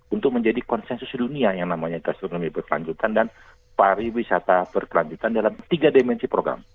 untuk menjadi konsensus dunia yang namanya infrastruktur ekonomi berkelanjutan dan pariwisata berkelanjutan dalam tiga dimensi program